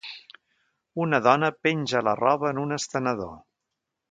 Una dona penja la roba en un estenedor.